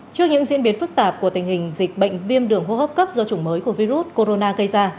trước những diễn biến phức tạp của tình hình dịch bệnh viêm đường hô hấp cấp do chủng mới của virus corona gây ra